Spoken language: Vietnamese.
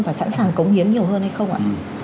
và sẵn sàng cống hiến nhiều hơn hay không ạ